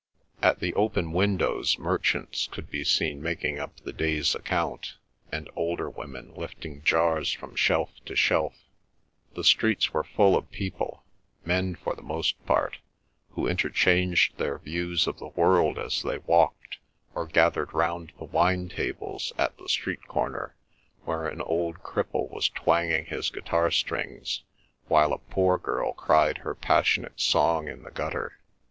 At the open windows merchants could be seen making up the day's account, and older women lifting jars from shelf to shelf. The streets were full of people, men for the most part, who interchanged their views of the world as they walked, or gathered round the wine tables at the street corner, where an old cripple was twanging his guitar strings, while a poor girl cried her passionate song in the gutter.